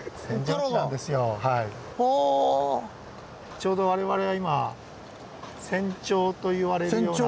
ちょうど我々は今「扇頂」と言われるような。